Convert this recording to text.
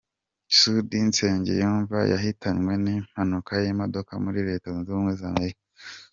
Sudi Nsengiyumva yahitanywe n'impanuka y'imodoka muri Leta Zunze Ubumwe za Amerika.